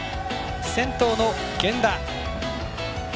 先頭の源田。